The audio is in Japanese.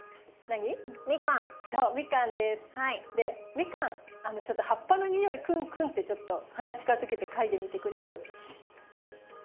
ミカンちょっと葉っぱの匂いクンクンってちょっと鼻近づけて嗅いでみてくれる？